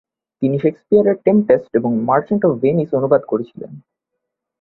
তিনি শেক্সপিয়ারের টেম্পেস্ট এবং মার্চেন্ট অফ ভেনিস অনুবাদ করেছিলেন।